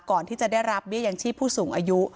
ก่อนที่จะได้รับเบี้ยยังชีพผู้สูงอายุ